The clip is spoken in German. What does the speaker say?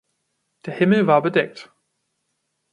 Der Himmel war bedeckt.